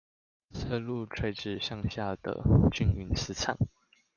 射入垂直向下的均勻磁場